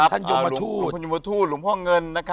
ท่านยุมทูตหลวงพ่อเงิน